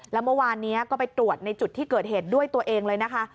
แล้วเมื่อวานนี้ก็ไปตรวจในจุดที่เกิดเหตุด้วยตัวเองเลยนะคะ